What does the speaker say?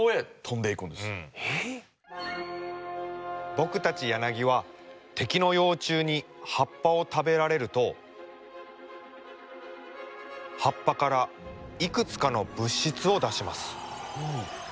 僕たちヤナギは敵の幼虫に葉っぱを食べられると葉っぱからいくつかの物質を出します。